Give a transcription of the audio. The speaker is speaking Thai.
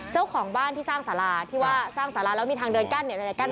เจ้าของบ้านที่สร้างสาราที่ว่าสร้างสาราแล้วมีทางเดินกั้นเนี่ย